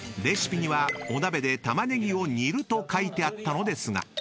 レシピにはお鍋で玉ねぎを煮ると書いてあったのですが］